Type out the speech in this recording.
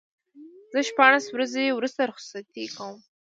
زه شپاړس ورځې وروسته رخصتي کوم.